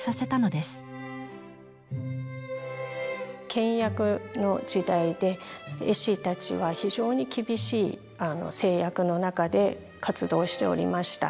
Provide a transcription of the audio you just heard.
倹約の時代で絵師たちは非常に厳しい制約の中で活動しておりました。